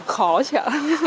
khó chứ ạ